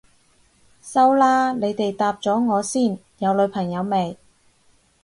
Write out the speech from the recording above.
收啦，你哋答咗我先，有女朋友未？